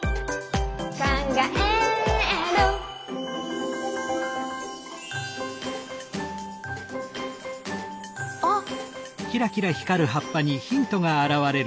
「かんがえる」あっ！